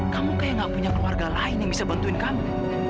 kamu kayak gak punya keluarga lain yang bisa bantuin kamu